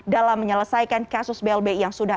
dalam menyelesaikan kasus blbi yang sudah